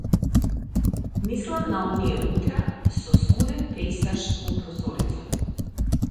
Мислам на оние утра со скуден пејсаж во прозорецот.